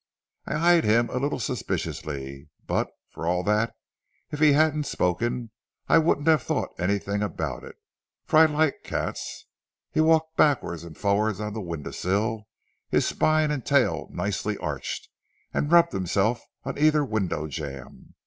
"I eyed him a little suspiciously; but, for all that, if he hadn't spoken, I wouldn't have thought anything about it, for I like cats. He walked backward and forward on the window sill, his spine and tail nicely arched, and rubbed himself on either window jamb.